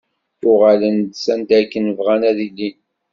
Uɣalen-d s anda akken bɣan ad ilin.